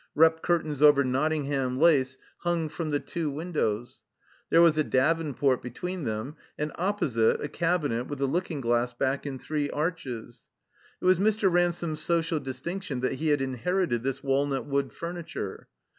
Rep curtains over Nottingham lace hung from the two windows. There was a davenport be tween them, and, opposite, a cabinet with a looking glass back in three arches. It was Mr. Ransome's social distinction that he had inherited this walnut wood furniture.